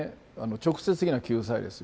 直接的な救済ですよ。